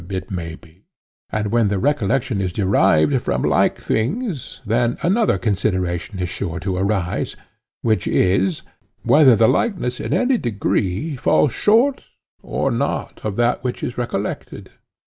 It may be. And when the recollection is derived from like things, then another consideration is sure to arise, which is—whether the likeness in any degree falls short or not of that which is recollected?